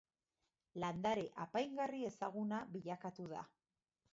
Landare apaingarri ezaguna bilakatu da.